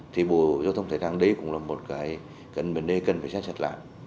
thì bộ giao thông thái đăng đấy cũng là một cái nơi cần phải xét chặt lại